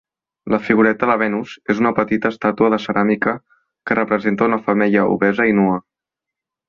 La figureta de Venus és una petita estàtua de ceràmica que representa una femella obesa i nua.